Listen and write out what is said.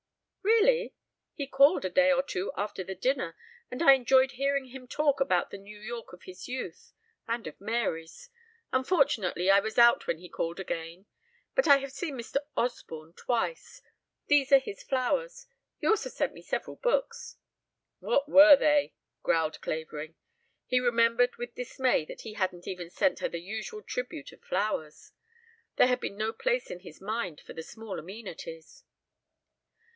"Really? He called a day or two after the dinner, and I enjoyed hearing him talk about the New York of his youth and of Mary's. Unfortunately, I was out when he called again. But I have seen Mr. Osborne twice. These are his flowers. He also sent me several books." "What were they?" growled Clavering. He remembered with dismay that he hadn't even sent her the usual tribute of flowers. There had been no place in his mind for the small amenities.